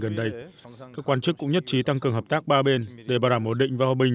gần đây các quan chức cũng nhất trí tăng cường hợp tác ba bên để bảo đảm ổn định và hòa bình